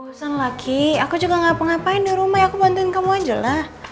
bosan lagi aku juga ngapa ngapain di rumah ya aku bantuin kamu aja lah